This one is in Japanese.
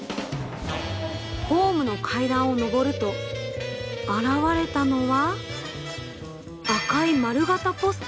ホームの階段を上ると現れたのは赤い丸型ポスト。